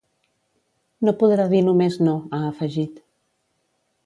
No podrà dir només no, ha afegit.